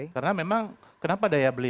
karena memang kenapa daya beli